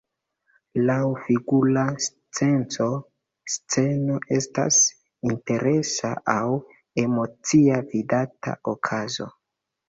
Laŭ figura senco, sceno estas interesa aŭ emocia vidata okazo.